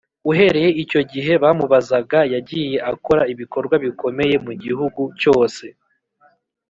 uhereye icyo gihe bamubazaga, yagiye akora ibikorwa bikomeye mu gihugu cyose